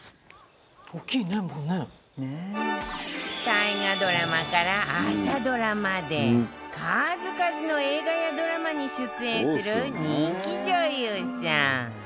大河ドラマから朝ドラまで数々の映画やドラマに出演する人気女優さん。